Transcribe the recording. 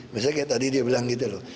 misalnya kayak tadi dia bilang gitu loh